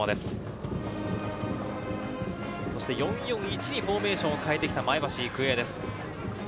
４ー４−１にフォーメーションを変えてきた前橋育英です。